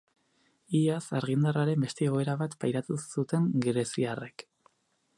Iaz argindarraren beste igoera bat pairatu zuten greziarrek.